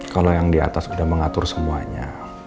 kalau yang di atas sudah mengatur semuanya